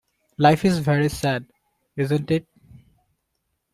Life is very sad, isn't it?